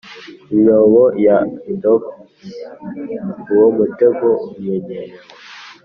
imyobo ya dodgy, uwo mutego umenyerewe.